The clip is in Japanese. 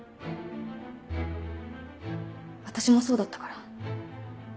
私もそうだったから。